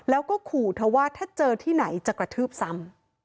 แล้วก็ขู่เธอว่าถ้าเจอที่ไหนจะกระทืบซ้ำ